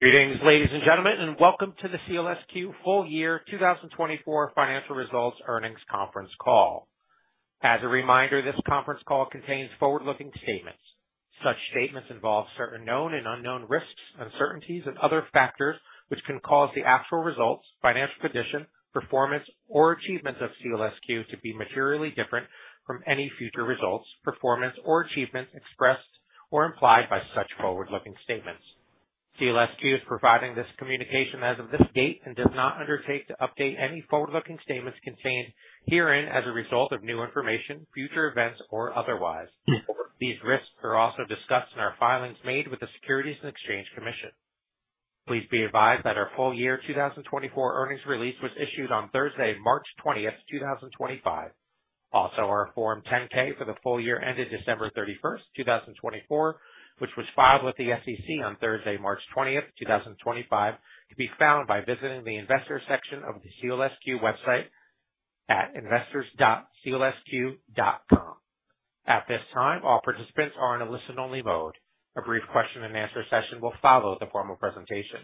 Greetings, ladies and gentlemen, and welcome to the SEALSQ full year 2024 financial results earnings conference call. As a reminder, this conference call contains forward-looking statements. Such statements involve certain known and unknown risks, uncertainties, and other factors which can cause the actual results, financial condition, performance, or achievements of SEALSQ to be materially different from any future results, performance, or achievements expressed or implied by such forward-looking statements. SEALSQ is providing this communication as of this date and does not undertake to update any forward-looking statements contained herein as a result of new information, future events, or otherwise. These risks are also discussed in our filings made with the Securities and Exchange Commission. Please be advised that our full year 2024 earnings release was issued on Thursday, March 20, 2025. Also, our Form 10-K for the full year ended December 31, 2024, which was filed with the SEC on Thursday, March 20, 2025, can be found by visiting the Investor section of the SEALSQ website at investors.sealsq.com. At this time, all participants are in a listen-only mode. A brief question-and-answer session will follow the formal presentation.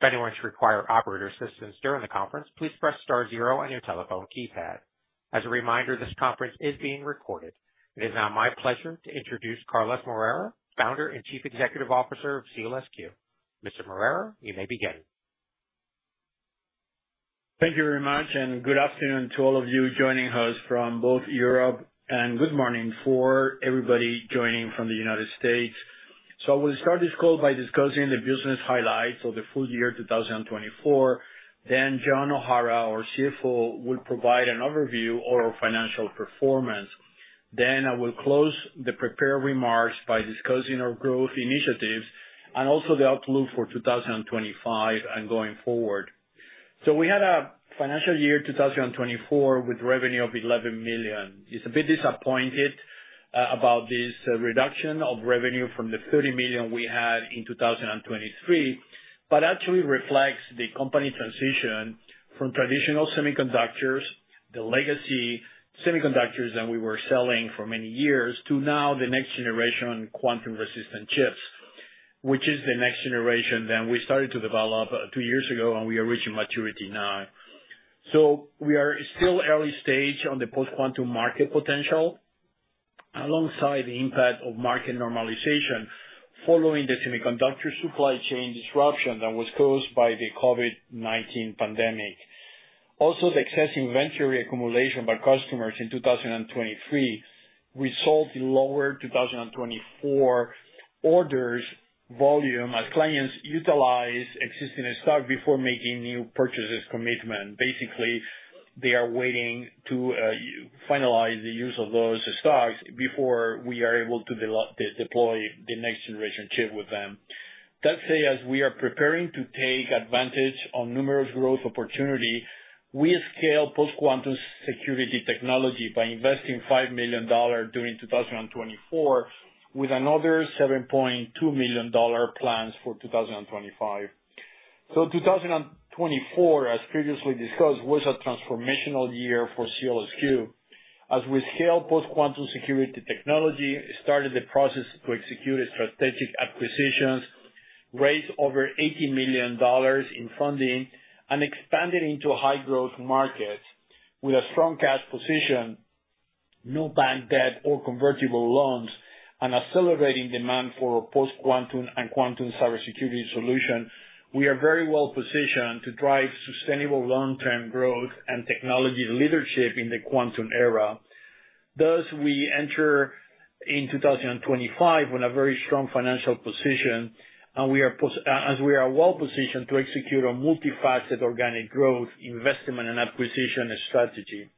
If anyone should require operator assistance during the conference, please press star zero on your telephone keypad. As a reminder, this conference is being recorded. It is now my pleasure to introduce Carlos Moreira, Founder and Chief Executive Officer of SEALSQ. Mr. Moreira, you may begin. Thank you very much, and good afternoon to all of you joining us from both Europe. Good morning for everybody joining from the United States. I will start this call by discussing the business highlights of the full year 2024. John O'Hara, our CFO, will provide an overview of our financial performance. I will close the prepared remarks by discussing our growth initiatives and also the outlook for 2025 and going forward. We had a financial year 2024 with revenue of $11 million. It's a bit disappointing about this reduction of revenue from the $30 million we had in 2023, but actually reflects the company transition from traditional semiconductors, the legacy semiconductors that we were selling for many years, to now the next generation quantum-resistant chips, which is the next generation that we started to develop two years ago, and we are reaching maturity now. We are still early stage on the post-quantum market potential alongside the impact of market normalization following the semiconductor supply chain disruption that was caused by the COVID-19 pandemic. Also, the excess inventory accumulation by customers in 2023 resulted in lower 2024 orders volume as clients utilize existing stock before making new purchases commitment. Basically, they are waiting to finalize the use of those stocks before we are able to deploy the next generation chip with them. That said, as we are preparing to take advantage of numerous growth opportunities, we scale post-quantum security technology by investing $5 million during 2024 with another $7.2 million plans for 2025. 2024, as previously discussed, was a transformational year for SEALSQ. As we scale post-quantum security technology, we started the process to execute strategic acquisitions, raised over $80 million in funding, and expanded into high-growth markets. With a strong cash position, no bank debt or convertible loans, and accelerating demand for post-quantum and quantum cybersecurity solutions, we are very well positioned to drive sustainable long-term growth and technology leadership in the quantum era. Thus, we enter in 2025 in a very strong financial position, and we are well positioned to execute a multifaceted organic growth investment and acquisition strategy.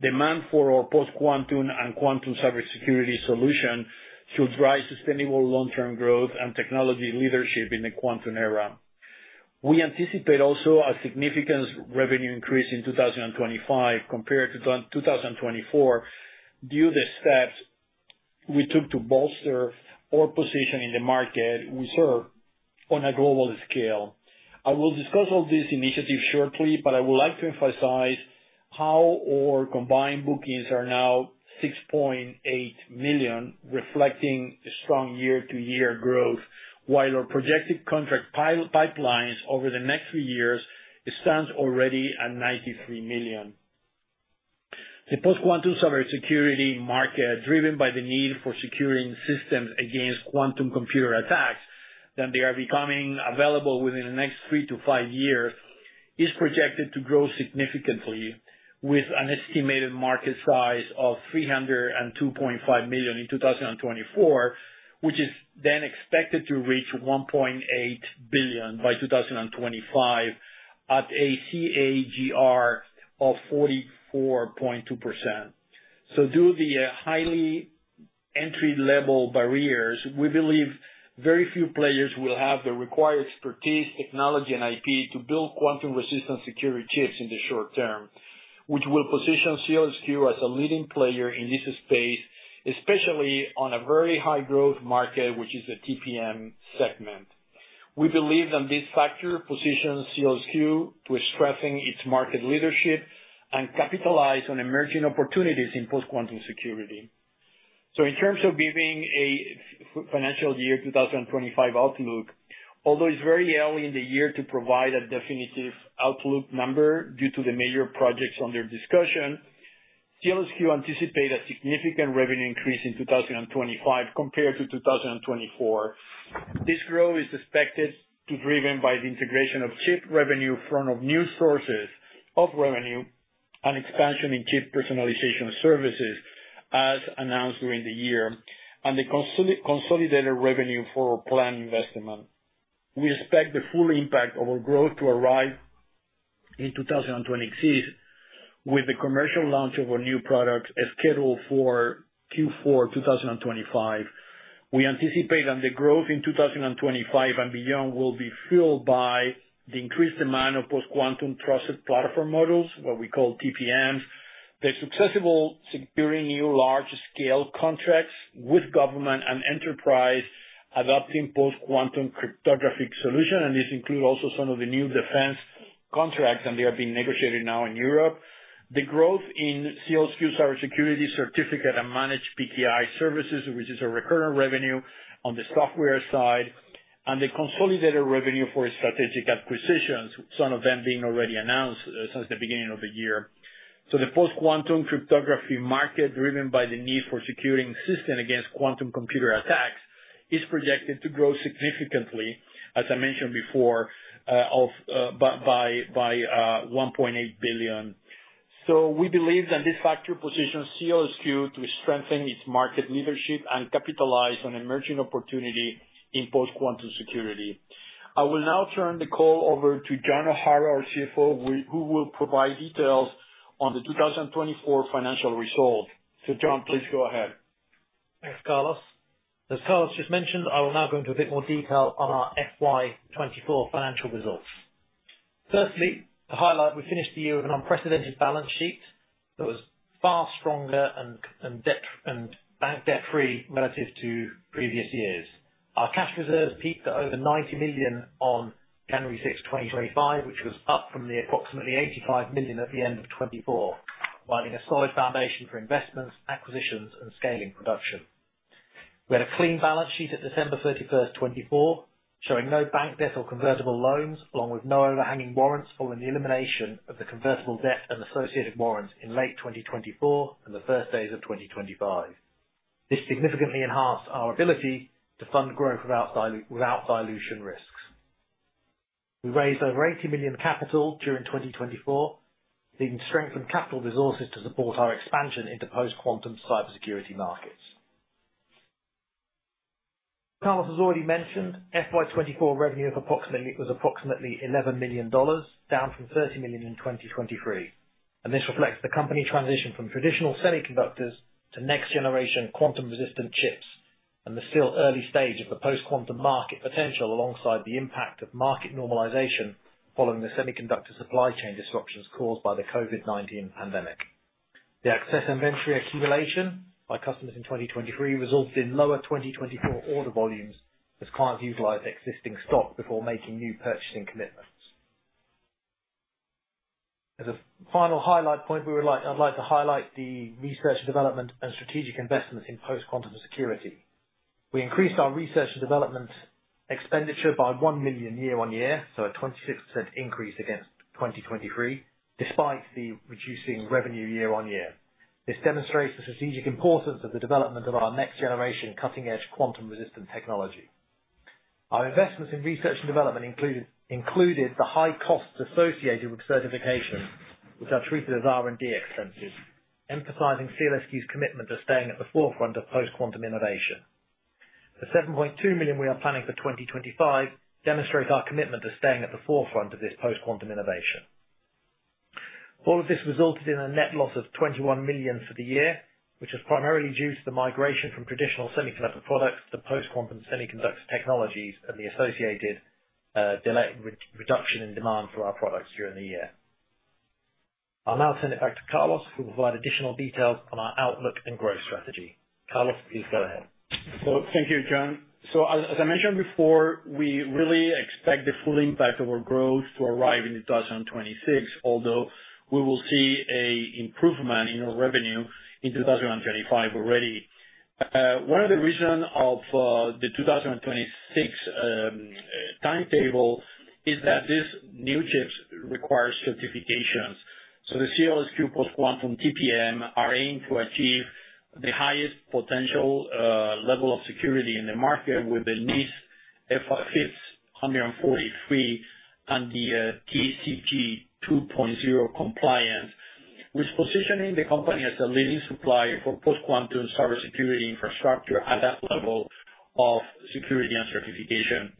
Demand for our post-quantum and quantum cybersecurity solutions should drive sustainable long-term growth and technology leadership in the quantum era. We anticipate also a significant revenue increase in 2025 compared to 2024 due to the steps we took to bolster our position in the market we serve on a global scale. I will discuss all these initiatives shortly, but I would like to emphasize how our combined bookings are now $6.8 million, reflecting strong year-to-year growth, while our projected contract pipelines over the next few years stand already at $93 million. The post-quantum cybersecurity market, driven by the need for securing systems against quantum computer attacks that are becoming available within the next three to five years, is projected to grow significantly, with an estimated market size of $302.5 million in 2024, which is then expected to reach $1.8 billion by 2025 at a CAGR of 44.2%. Due to the highly entry-level barriers, we believe very few players will have the required expertise, technology, and IP to build quantum-resistant security chips in the short term, which will position SEALSQ as a leading player in this space, especially on a very high-growth market, which is the TPM segment. We believe that this factor positions SEALSQ to strengthen its market leadership and capitalize on emerging opportunities in post-quantum security. In terms of giving a financial year 2025 outlook, although it is very early in the year to provide a definitive outlook number due to the major projects under discussion, SEALSQ anticipates a significant revenue increase in 2025 compared to 2024. This growth is expected to be driven by the integration of chip revenue from new sources of revenue and expansion in chip personalization services, as announced during the year, and the consolidated revenue for planned investment. We expect the full impact of our growth to arrive in 2026 with the commercial launch of our new products scheduled for Q4 2025. We anticipate that the growth in 2025 and beyond will be fueled by the increased demand of post-quantum trusted platform modules, what we call TPMs, the successful securing new large-scale contracts with government and enterprise adopting post-quantum cryptographic solutions, and this includes also some of the new defense contracts that are being negotiated now in Europe, the growth in SEALSQ cybersecurity certificate and managed PKI services, which is a recurrent revenue on the software side, and the consolidated revenue for strategic acquisitions, some of them being already announced since the beginning of the year. The post-quantum cryptography market, driven by the need for securing systems against quantum computer attacks, is projected to grow significantly, as I mentioned before, by $1.8 billion. We believe that this factor positions SEALSQ to strengthen its market leadership and capitalize on emerging opportunities in post-quantum security. I will now turn the call over to John O'Hara, our CFO, who will provide details on the 2024 financial results. John, please go ahead. Thanks, Carlos. As Carlos just mentioned, I will now go into a bit more detail on our FY24 financial results. Firstly, to highlight, we finished the year with an unprecedented balance sheet that was far stronger and bank debt-free relative to previous years. Our cash reserves peaked at over $90 million on January 6, 2025, which was up from the approximately $85 million at the end of 2024, providing a solid foundation for investments, acquisitions, and scaling production. We had a clean balance sheet at December 31, 2024, showing no bank debt or convertible loans, along with no overhanging warrants following the elimination of the convertible debt and associated warrants in late 2024 and the first days of 2025. This significantly enhanced our ability to fund growth without dilution risks. We raised over $80 million in capital during 2024, strengthening capital resources to support our expansion into post-quantum cybersecurity markets. Carlos has already mentioned FY24 revenue was approximately $11 million, down from $30 million in 2023. This reflects the company transition from traditional semiconductors to next-generation quantum-resistant chips and the still early stage of the post-quantum market potential, alongside the impact of market normalization following the semiconductor supply chain disruptions caused by the COVID-19 pandemic. The excess inventory accumulation by customers in 2023 resulted in lower 2024 order volumes as clients utilized existing stock before making new purchasing commitments. As a final highlight point, I'd like to highlight the research and development and strategic investments in post-quantum security. We increased our research and development expenditure by $1 million year-on-year, so a 26% increase against 2023, despite the reducing revenue year-on-year. This demonstrates the strategic importance of the development of our next-generation cutting-edge quantum-resistant technology. Our investments in research and development included the high costs associated with certification, which are treated as R&D expenses, emphasizing SEALSQ's commitment to staying at the forefront of post-quantum innovation. The $7.2 million we are planning for 2025 demonstrates our commitment to staying at the forefront of this post-quantum innovation. All of this resulted in a net loss of $21 million for the year, which is primarily due to the migration from traditional semiconductor products to post-quantum semiconductor technologies and the associated reduction in demand for our products during the year. I'll now turn it back to Carlos, who will provide additional details on our outlook and growth strategy. Carlos, please go ahead. Thank you, John. As I mentioned before, we really expect the full impact of our growth to arrive in 2026, although we will see an improvement in our revenue in 2025 already. One of the reasons for the 2026 timetable is that these new chips require certifications. The SEALSQ post-quantum TPM are aimed to achieve the highest potential level of security in the market with the NIST FIPS 140-3 and the TCG 2.0 compliance, which is positioning the company as a leading supplier for post-quantum cybersecurity infrastructure at that level of security and certification.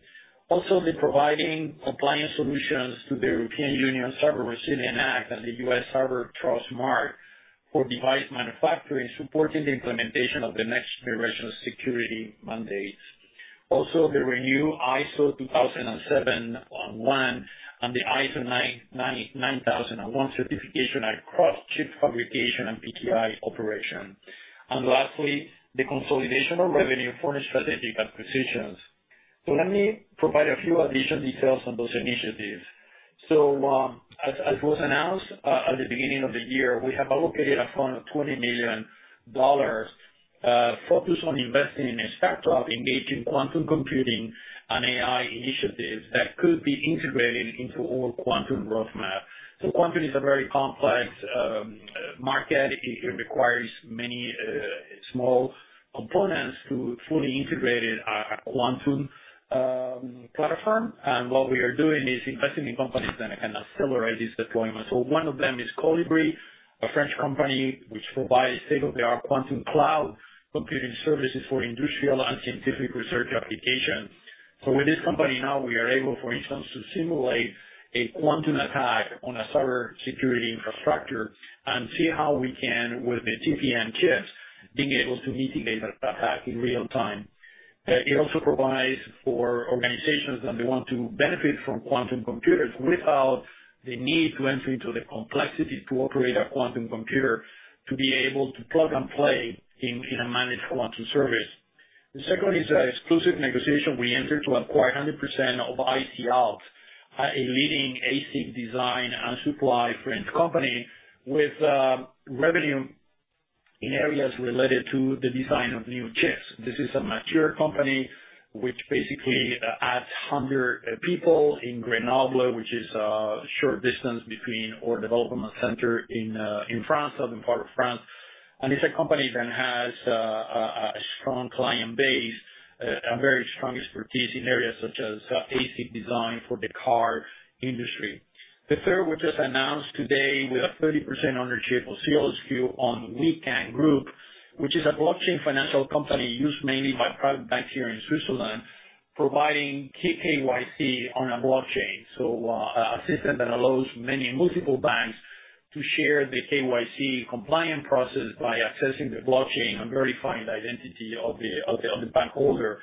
Also, they are providing compliance solutions to the European Union Cyber Resilience Act and the U.S. Cyber Trust Mark for device manufacturing, supporting the implementation of the next-generation security mandates. Also, the renewed ISO 27001 and the ISO 9001 certification across chip fabrication and PKI operation. Lastly, the consolidation of revenue for strategic acquisitions. Let me provide a few additional details on those initiatives. As was announced at the beginning of the year, we have allocated a fund of $20 million focused on investing in a startup engaging quantum computing and AI initiatives that could be integrated into our quantum growth map. Quantum is a very complex market. It requires many small components to fully integrate a quantum platform. What we are doing is investing in companies that can accelerate this deployment. One of them is Colibri, a French company which provides state-of-the-art quantum cloud computing services for industrial and scientific research applications. With this company now, we are able, for instance, to simulate a quantum attack on a cybersecurity infrastructure and see how we can, with the TPM chips, be able to mitigate that attack in real time. It also provides for organizations that want to benefit from quantum computers without the need to enter into the complexity to operate a quantum computer to be able to plug and play in a managed quantum service. The second is an exclusive negotiation we entered to acquire 100% of IC'Alps, a leading ASIC design and supply French company with revenue in areas related to the design of new chips. This is a mature company which basically adds 100 people in Grenoble, which is a short distance between our development center in France, southern part of France. It is a company that has a strong client base and very strong expertise in areas such as ASIC design for the car industry. The third, we just announced today, we have 30% ownership of SEALSQ on Wecan Group, which is a blockchain financial company used mainly by private banks here in Switzerland, providing KYC on a blockchain. A system that allows many multiple banks to share the KYC compliance process by accessing the blockchain and verifying the identity of the bank holder.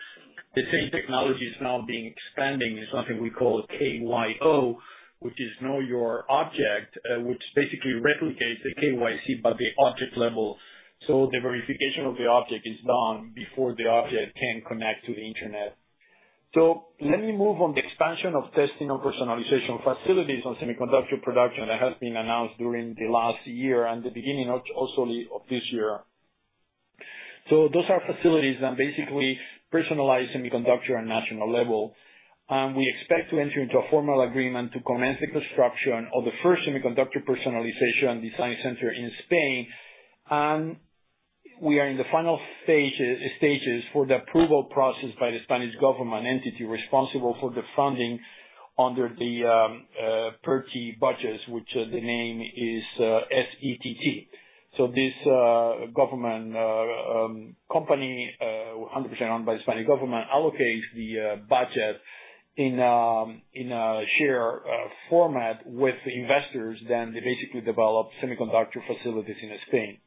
The same technology is now being expanded in something we call KYO, which is Know Your Object, which basically replicates the KYC but at the object level. The verification of the object is done before the object can connect to the internet. Let me move on to the expansion of testing and personalization facilities on semiconductor production that has been announced during the last year and the beginning also of this year. Those are facilities that basically personalize semiconductor at a national level. We expect to enter into a formal agreement to commence the construction of the first semiconductor personalization design center in Spain. We are in the final stages for the approval process by the Spanish government entity responsible for the funding under the PERTE budget, which the name is SETT. This government company, 100% owned by the Spanish government, allocates the budget in a share format with investors that basically develop semiconductor facilities in Spain.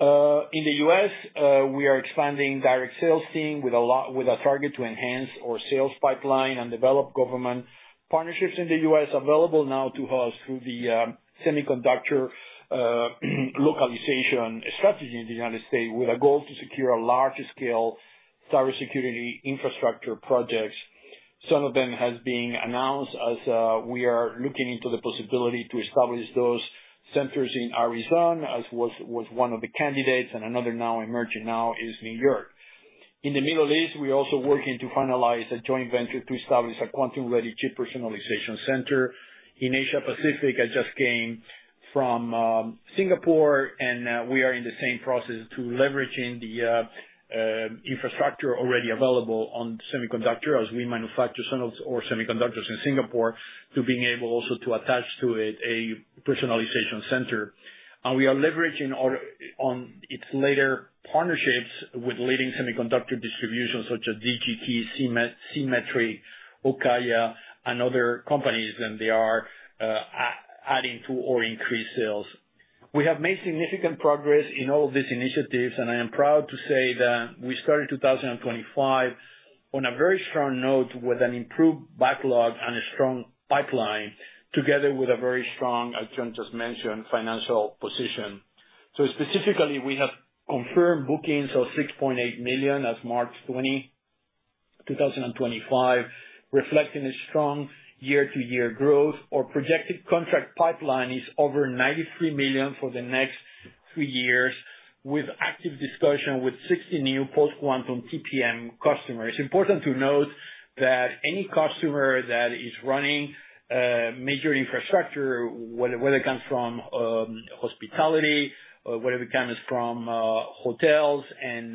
In the U.S., we are expanding direct sales team with a target to enhance our sales pipeline and develop government partnerships in the U.S. available now to us through the semiconductor localization strategy in the United States with a goal to secure large-scale cybersecurity infrastructure projects. Some of them have been announced as we are looking into the possibility to establish those centers in Arizona, as was one of the candidates, and another now emerging now is New York. In the Middle East, we are also working to finalize a joint venture to establish a quantum-ready chip personalization center in Asia-Pacific. I just came from Singapore, and we are in the same process to leverage the infrastructure already available on semiconductors as we manufacture some of our semiconductors in Singapore to be able also to attach to it a personalization center. We are leveraging on its later partnerships with leading semiconductor distributions such as Digi-Key, Symmetry, Okaya, and other companies than they are adding to or increasing sales. We have made significant progress in all of these initiatives, and I am proud to say that we started 2025 on a very strong note with an improved backlog and a strong pipeline together with a very strong, as John just mentioned, financial position. Specifically, we have confirmed bookings of $6.8 million as of March 20, 2025, reflecting a strong year-to-year growth. Our projected contract pipeline is over $93 million for the next three years with active discussion with 60 new post-quantum TPM customers. It's important to note that any customer that is running major infrastructure, whether it comes from hospitality, whether it comes from hotels and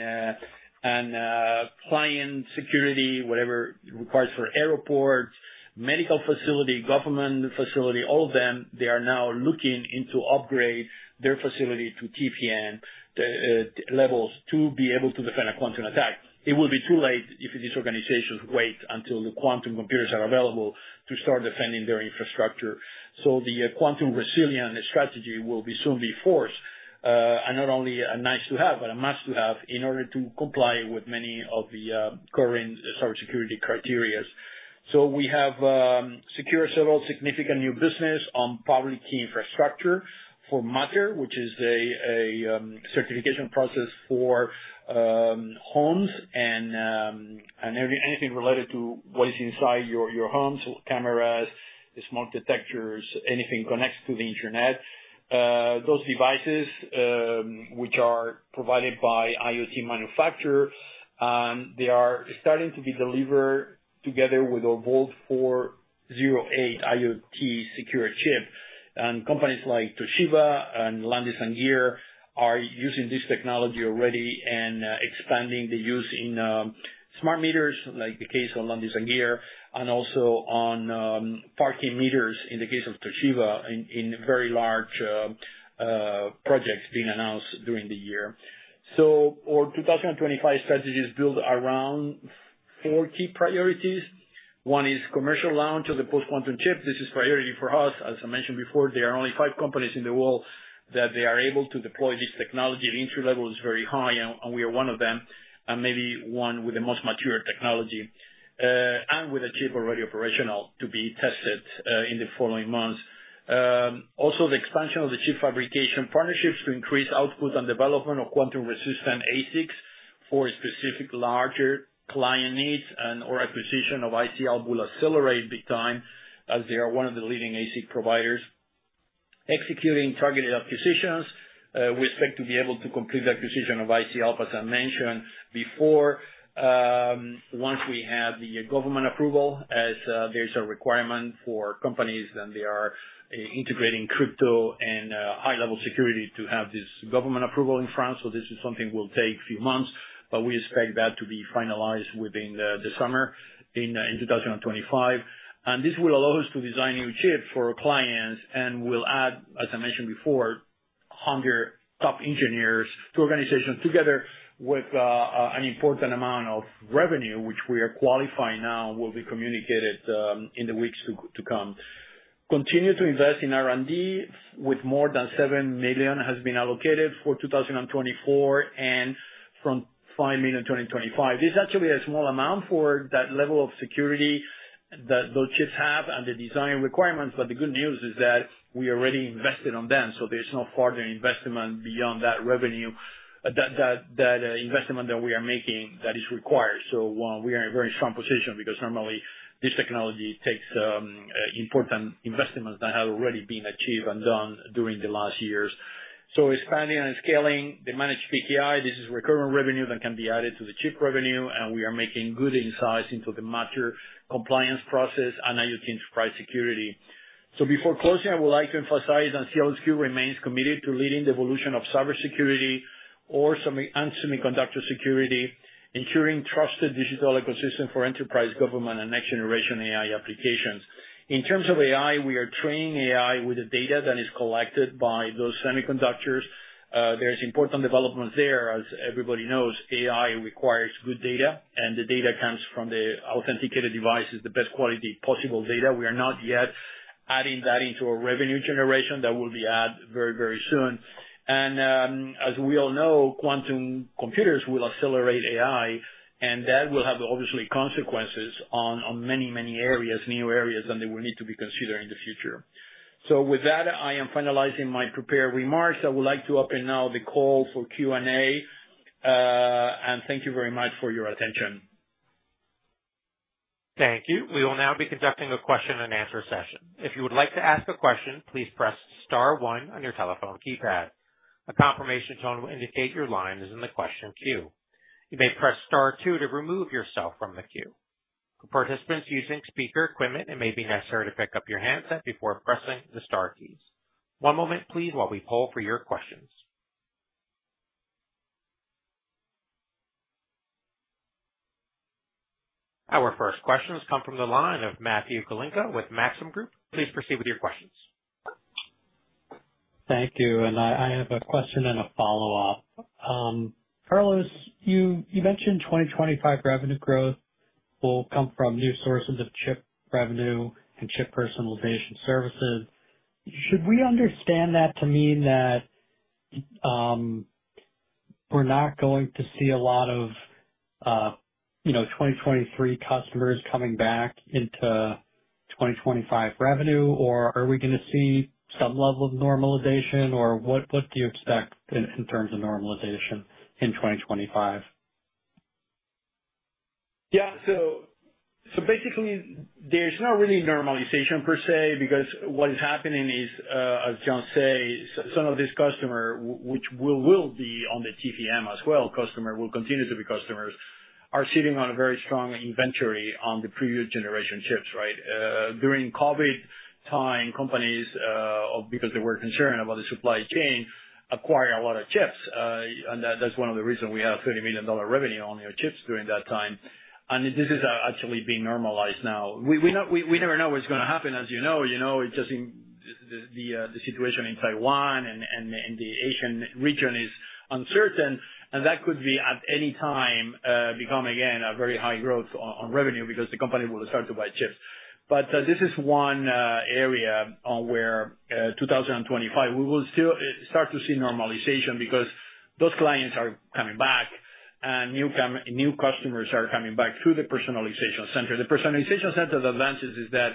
client security, whatever it requires for airports, medical facilities, government facilities, all of them, they are now looking into upgrading their facility to TPM levels to be able to defend a quantum attack. It will be too late if these organizations wait until the quantum computers are available to start defending their infrastructure. The quantum resilience strategy will soon be forced, and not only a nice-to-have but a must-to-have in order to comply with many of the current cybersecurity criteria. We have secured several significant new businesses on public key infrastructure for Matter, which is a certification process for homes and anything related to what is inside your homes: cameras, smart detectors, anything connected to the internet. Those devices, which are provided by IoT manufacturers, are starting to be delivered together with our VaultIC 408 IoT secure chip. Companies like Toshiba and Landis+Gyr are using this technology already and expanding the use in smart meters like the case of Landis+Gyr and also on parking meters in the case of Toshiba in very large projects being announced during the year. Our 2025 strategy is built around four key priorities. One is commercial launch of the post-quantum chip. This is a priority for us. As I mentioned before, there are only five companies in the world that are able to deploy this technology. The entry level is very high, and we are one of them and maybe one with the most mature technology and with a chip already operational to be tested in the following months. Also, the expansion of the chip fabrication partnerships to increase output and development of quantum-resistant ASICs for specific larger client needs and/or acquisition of IC'Alps will accelerate big time as they are one of the leading ASIC providers. Executing targeted acquisitions, we expect to be able to complete the acquisition of IC'Alps, as I mentioned, before once we have the government approval, as there's a requirement for companies that they are integrating crypto and high-level security to have this government approval in France. This is something that will take a few months, but we expect that to be finalized within the summer in 2025. This will allow us to design new chips for our clients and will add, as I mentioned before, 100 top engineers to organizations together with an important amount of revenue, which we are qualifying now and will be communicated in the weeks to come. We continue to invest in R&D with more than $7 million allocated for 2024 and from $5 million in 2025. This is actually a small amount for that level of security that those chips have and the design requirements, but the good news is that we already invested on them, so there is no further investment beyond that revenue, that investment that we are making that is required. We are in a very strong position because normally this technology takes important investments that have already been achieved and done during the last years. Expanding and scaling the managed PKI, this is recurring revenue that can be added to the chip revenue, and we are making good insights into the Matter compliance process and IoT enterprise security. Before closing, I would like to emphasize that SEALSQ remains committed to leading the evolution of cybersecurity and semiconductor security, ensuring trusted digital ecosystem for enterprise government and next-generation AI applications. In terms of AI, we are training AI with the data that is collected by those semiconductors. There are important developments there. As everybody knows, AI requires good data, and the data comes from the authenticated devices, the best quality possible data. We are not yet adding that into our revenue generation. That will be added very, very soon. As we all know, quantum computers will accelerate AI, and that will have obviously consequences on many, many areas, new areas that they will need to be considered in the future. With that, I am finalizing my prepared remarks. I would like to open now the call for Q&A, and thank you very much for your attention. Thank you. We will now be conducting a question-and-answer session. If you would like to ask a question, please press Star one on your telephone keypad. A confirmation tone will indicate your line is in the question queue. You may press Star two to remove yourself from the queue. For participants using speaker equipment, it may be necessary to pick up your handset before pressing the Star keys. One moment, please, while we poll for your questions. Our first questions come from the line of Matthew Galinko with Maxim Group. Please proceed with your questions. Thank you. I have a question and a follow-up. Carlos, you mentioned 2025 revenue growth will come from new sources of chip revenue and chip personalization services. Should we understand that to mean that we're not going to see a lot of 2023 customers coming back into 2025 revenue, or are we going to see some level of normalization, or what do you expect in terms of normalization in 2025? Yeah. Basically, there's no really normalization per se because what is happening is, as John said, some of these customers, which will be on the TPM as well, customers will continue to be customers, are sitting on a very strong inventory on the previous generation chips, right? During COVID time, companies, because they were concerned about the supply chain, acquired a lot of chips. That's one of the reasons we had $30 million revenue on your chips during that time. This is actually being normalized now. We never know what's going to happen, as you know. It's just the situation in Taiwan and the Asian region is uncertain, and that could at any time become, again, a very high growth on revenue because the company will start to buy chips. This is one area where 2025, we will still start to see normalization because those clients are coming back and new customers are coming back through the personalization center. The personalization center's advantage is that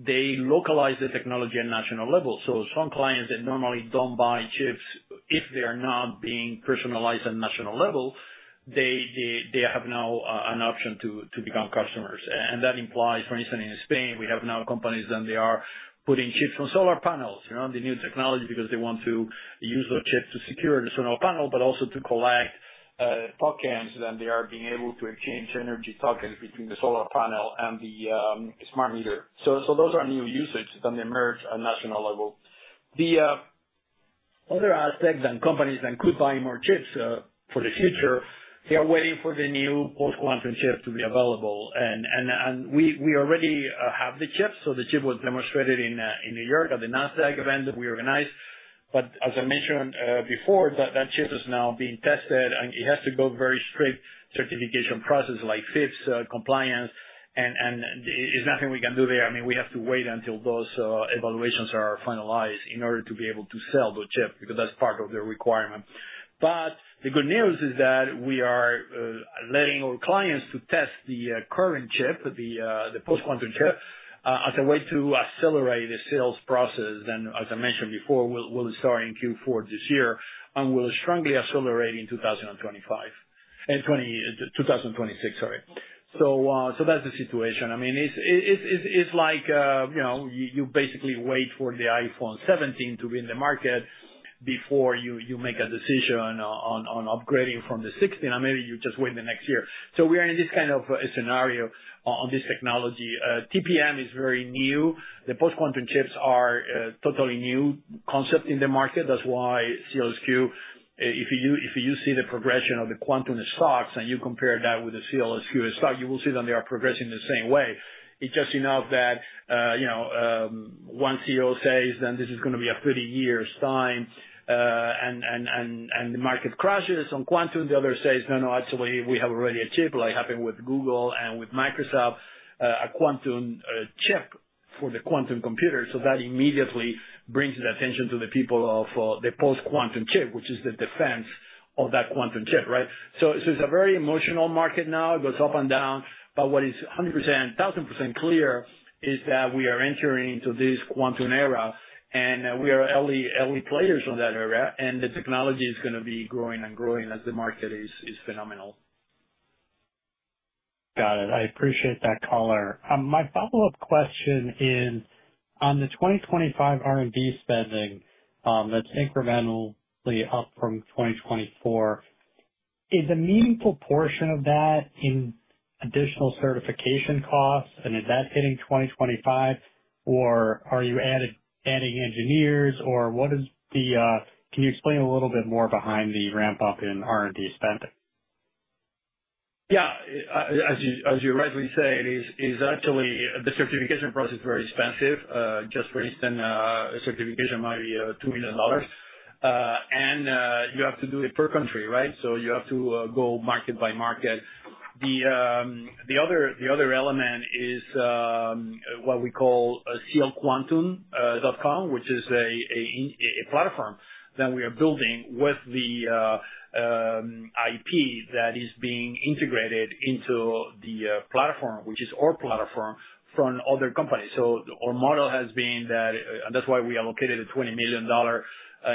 they localize the technology at national level. Some clients that normally do not buy chips, if they are not being personalized at national level, now have an option to become customers. That implies, for instance, in Spain, we have now companies that are putting chips on solar panels, the new technology, because they want to use those chips to secure the solar panel, but also to collect tokens that they are being able to exchange, energy tokens between the solar panel and the smart meter. Those are new usages that emerge at national level. The other aspect that companies that could buy more chips for the future, they are waiting for the new post-quantum chip to be available. We already have the chips, so the chip was demonstrated in New York at the NASDAQ event that we organized. As I mentioned before, that chip is now being tested, and it has to go through very strict certification processes like FIPS compliance, and there's nothing we can do there. I mean, we have to wait until those evaluations are finalized in order to be able to sell the chip because that's part of the requirement. The good news is that we are letting our clients test the current chip, the post-quantum chip, as a way to accelerate the sales process. As I mentioned before, we'll start in Q4 this year and we'll strongly accelerate in 2025 and 2026, sorry. That's the situation. I mean, it's like you basically wait for the iPhone 17 to be in the market before you make a decision on upgrading from the 16, and maybe you just wait the next year. We are in this kind of scenario on this technology. TPM is very new. The post-quantum chips are a totally new concept in the market. That's why SEALSQ, if you see the progression of the quantum stocks and you compare that with the SEALSQ stock, you will see that they are progressing the same way. It's just enough that one CEO says that this is going to be a 30-year time, and the market crashes on quantum. The other says, "No, no, actually, we have already a chip," like happened with Google and with Microsoft, a quantum chip for the quantum computer. That immediately brings the attention to the people of the post-quantum chip, which is the defense of that quantum chip, right? It is a very emotional market now. It goes up and down. What is 100%, 1,000% clear is that we are entering into this quantum era, and we are early players in that area, and the technology is going to be growing and growing as the market is phenomenal. Got it. I appreciate that, Carlos. My follow-up question is, on the 2025 R&D spending that is incrementally up from 2024, is a meaningful portion of that in additional certification costs, and is that hitting 2025, or are you adding engineers, or what is the—can you explain a little bit more behind the ramp-up in R&D spending? Yeah. As you rightly say, it is actually the certification process is very expensive. Just for instance, a certification might be $2 million, and you have to do it per country, right? You have to go market by market. The other element is what we call sealquantum.com, which is a platform that we are building with the IP that is being integrated into the platform, which is our platform, from other companies. Our model has been that—that's why we allocated a $20 million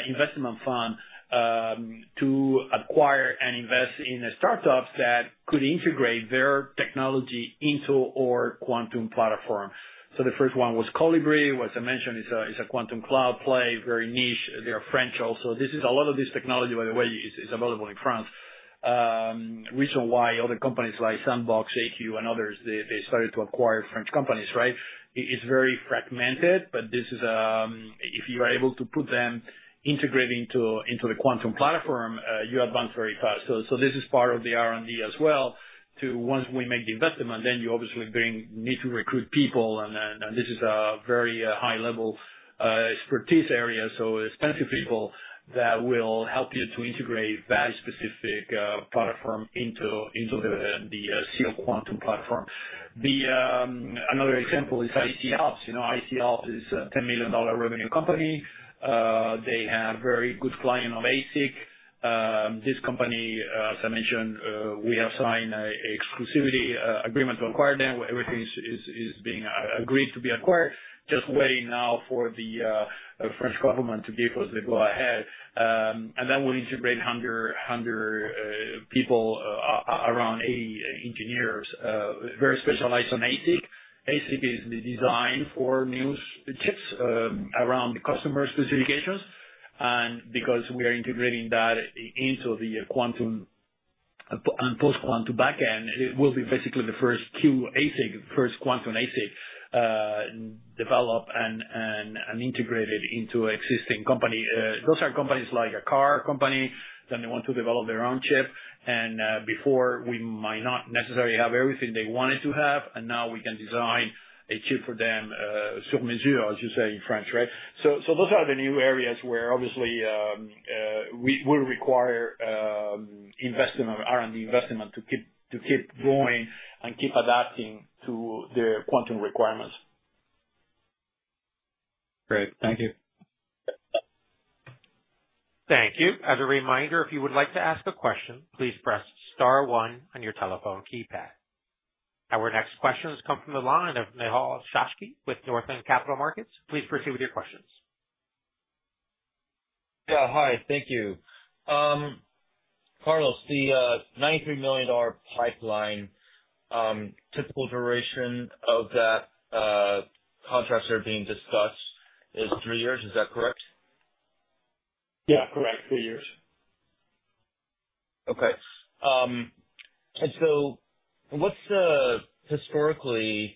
investment fund to acquire and invest in startups that could integrate their technology into our quantum platform. The first one was Colibri. As I mentioned, it's a quantum cloud play, very niche. They are French also. This is a lot of this technology, by the way, is available in France. The reason why other companies like SandboxAQ and others, they started to acquire French companies, right? It's very fragmented, but if you are able to put them integrated into the quantum platform, you advance very fast. This is part of the R&D as well. Once we make the investment, you obviously need to recruit people, and this is a very high-level expertise area. Expensive people that will help you to integrate that specific platform into the SEALSQ quantum platform. Another example is IC'Alps. IC'Alps is a $10 million revenue company. They have a very good client of ASIC. This company, as I mentioned, we have signed an exclusivity agreement to acquire them. Everything is being agreed to be acquired. Just waiting now for the French government to give us the go-ahead. We will integrate 100 people, around 80 engineers, very specialized on ASIC. ASIC is designed for new chips around customer specifications. Because we are integrating that into the quantum and post-quantum backend, it will be basically the first QASIC, first quantum ASIC developed and integrated into an existing company. Those are companies like a car company that they want to develop their own chip, and before we might not necessarily have everything they wanted to have, and now we can design a chip for them sur mesure, as you say in French, right? Those are the new areas where obviously we will require R&D investment to keep going and keep adapting to the quantum requirements. Great. Thank you. Thank you. As a reminder, if you would like to ask a question, please press Star 1 on your telephone keypad. Our next questions come from the line of Nehal Chokshi with Northland Capital Markets. Please proceed with your questions. Yeah. Hi. Thank you. Carlos, the $93 million pipeline, typical duration of that contract that's being discussed is three years. Is that correct? Yeah. Correct. Three years. Okay. What's the historically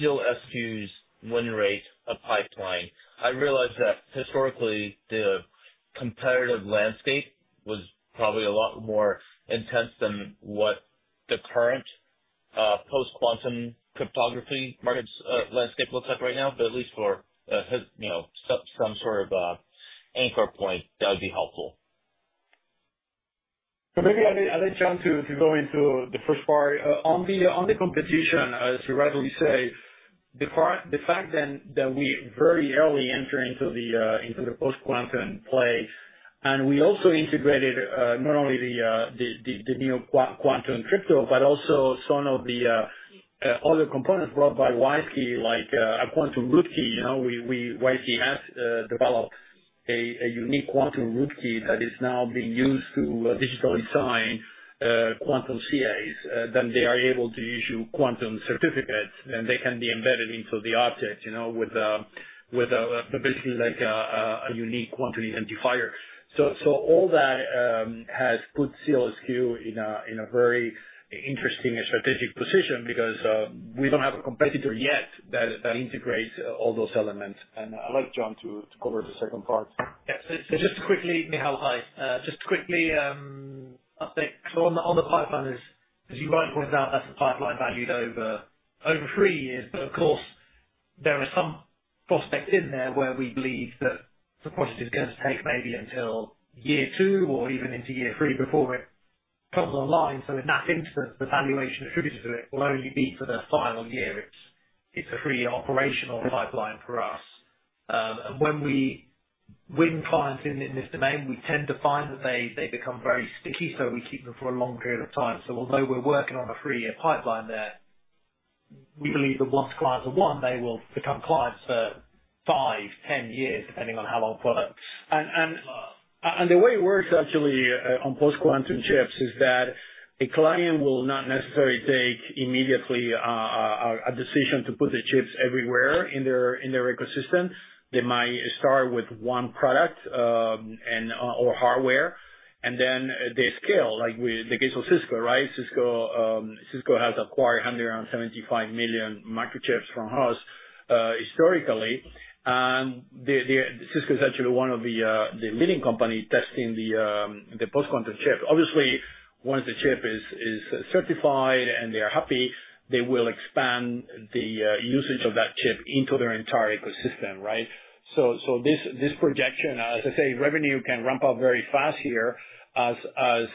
SEALSQ's win rate of pipeline? I realize that historically the competitive landscape was probably a lot more intense than what the current post-quantum cryptography markets landscape looks like right now, but at least for some sort of anchor point, that would be helpful. Maybe I'll let John go into the first part. On the competition, as you rightly say, the fact that we very early enter into the post-quantum play, and we also integrated not only the new quantum crypto but also some of the other components brought by WISeKey, like a quantum root key. WISeKey has developed a unique quantum root key that is now being used to digitally sign quantum CAs that they are able to issue quantum certificates, and they can be embedded into the object with basically a unique quantum identifier. All that has put SEALSQ in a very interesting strategic position because we do not have a competitor yet that integrates all those elements. I'll let John cover the second part. Yeah. Just quickly, Nehal, hi. Just quickly, update on the pipeline. As you rightly pointed out, that's a pipeline valued over three years. Of course, there are some prospects in there where we believe that the project is going to take maybe until year two or even into year three before it comes online. In that instance, the valuation attributed to it will only be for the final year. It is a three-year operational pipeline for us. When we win clients in this domain, we tend to find that they become very sticky, so we keep them for a long period of time. Although we are working on a three-year pipeline there, we believe that once clients are won, they will become clients for 5, 10 years, depending on how long products last. The way it works actually on post-quantum chips is that a client will not necessarily take immediately a decision to put the chips everywhere in their ecosystem. They might start with one product or hardware, and then they scale, like the case of Cisco, right? Cisco has acquired 175 million microchips from us historically. Cisco is actually one of the leading companies testing the post-quantum chip. Obviously, once the chip is certified and they are happy, they will expand the usage of that chip into their entire ecosystem, right? This projection, as I say, revenue can ramp up very fast here as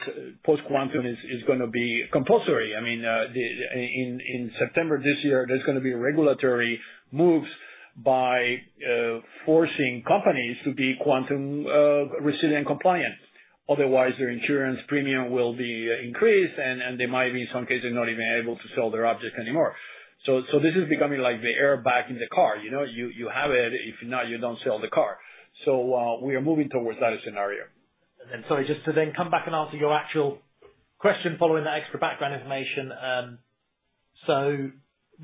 post-quantum is going to be compulsory. I mean, in September this year, there is going to be regulatory moves by forcing companies to be quantum resilient compliant. Otherwise, their insurance premium will be increased, and they might be, in some cases, not even able to sell their object anymore. This is becoming like the airbag in the car. You have it; if not, you do not sell the car. We are moving towards that scenario. Sorry, just to then come back and answer your actual question following that extra background information.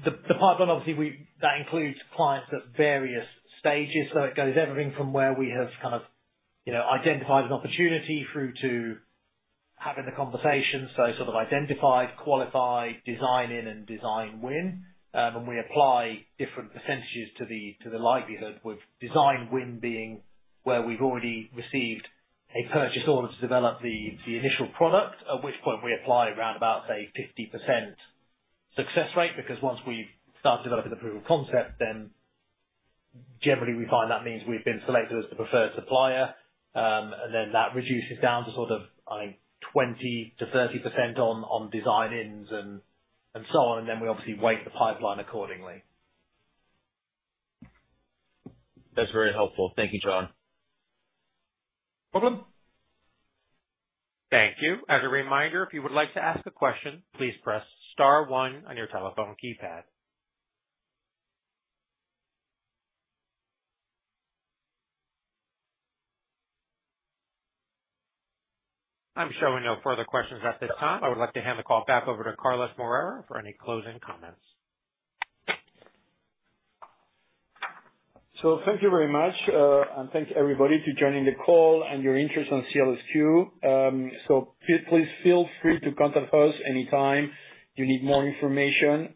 The pipeline, obviously, includes clients at various stages. It goes everything from where we have kind of identified an opportunity through to having the conversation. Sort of identified, qualified, design in, and design win. We apply different percentages to the likelihood, with design win being where we've already received a purchase order to develop the initial product, at which point we apply around about, say, 50% success rate. Because once we start developing the proof of concept, then generally we find that means we've been selected as the preferred supplier. That reduces down to sort of, I think, 20-30% on design ins and so on. We obviously weight the pipeline accordingly. That's very helpful. Thank you, John. Problem. Thank you. As a reminder, if you would like to ask a question, please press Star 1 on your telephone keypad. I'm showing no further questions at this time. I would like to hand the call back over to Carlos Moreira for any closing comments. Thank you very much, and thank everybody for joining the call and your interest in SEALSQ. Please feel free to contact us anytime you need more information.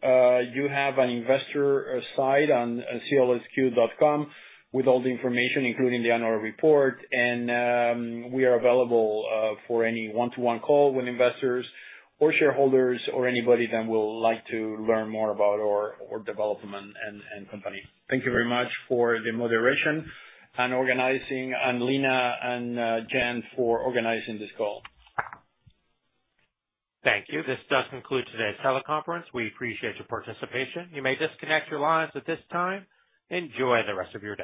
You have an investor site on sealsq.com with all the information, including the annual report. We are available for any one-to-one call with investors or shareholders or anybody that will like to learn more about our development and company. Thank you very much for the moderation and organizing, and Lena and Jen for organizing this call. Thank you. This does conclude today's teleconference. We appreciate your participation. You may disconnect your lines at this time. Enjoy the rest of your day.